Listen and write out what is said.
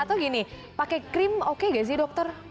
atau gini pakai krim oke gak sih dokter